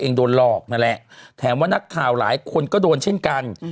โดนหลอกนั่นแหละแถมว่านักข่าวหลายคนก็โดนเช่นกัน